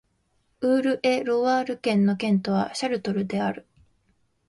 ウール＝エ＝ロワール県の県都はシャルトルである